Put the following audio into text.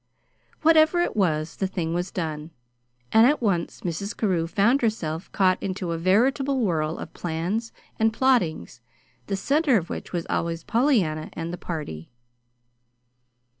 Whatever it was, the thing was done; and at once Mrs. Carew found herself caught into a veritable whirl of plans and plottings, the center of which was always Pollyanna and the party.